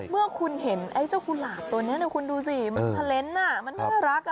เมื่อคุณเห็นเจ้ากุหลาบตัวนี้พอดูสิมันเพลินต์มันภารก